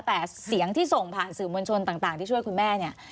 แต่เสียงที่ส่งผ่านสื่อมวลชนต่างที่ช่วยคุณแม่เนี่ย